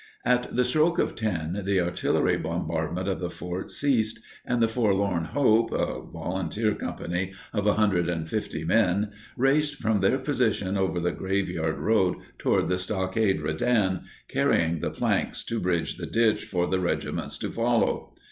At the stroke of 10, the artillery bombardment of the fort ceased and the "Forlorn Hope"—a volunteer company of 150 men—raced from their position over the Graveyard Road toward the Stockade Redan, carrying the planks to bridge the ditch for the regiments to follow.